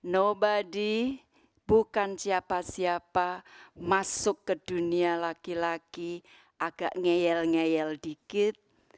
no body bukan siapa siapa masuk ke dunia laki laki agak ngeyel ngeyel dikit